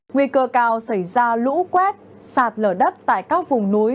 nguy cơ cao xảy ra lũ quét sạt lở đất tại các vùng núi